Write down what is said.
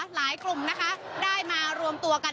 หลายกลุ่มนะคะมารวมตัวกัน